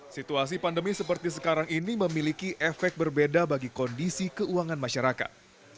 situasi pandemi seperti sekarang ini memiliki efek berbeda bagi kondisi keuangan masyarakat